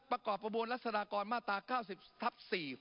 ประกอบกระบวนรัศดากรมาตรา๙๐ทับ๔